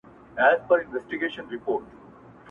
په جهان کي به خوره وره غوغا سي,